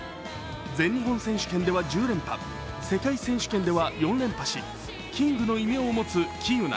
全日本選手権では１０連覇世界選手権では４連覇しキングの異名を持つ喜友名。